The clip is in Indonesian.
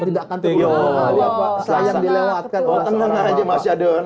tidak akan terlalu lama